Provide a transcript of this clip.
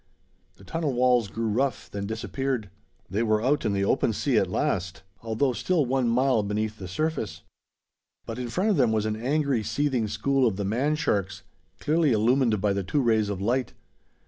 The tunnel walls grew rough, then disappeared. They were out in the open sea at last, although still one mile beneath the surface. But in front of them was an angry seething school of the man sharks, clearly illumined by the two rays of light.